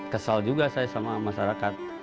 kesal juga saya sama masyarakat